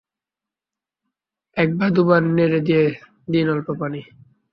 এক বা দুবার নেড়ে দিয়ে দিন অল্প পানি।